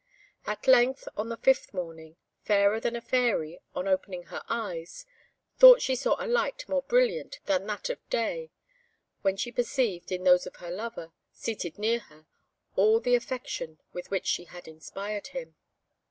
At length, on the fifth morning, Fairer than a Fairy, on opening her eyes, thought she saw a light more brilliant than that of day, when she perceived, in those of her lover, seated near her, all the affection with which she had inspired him.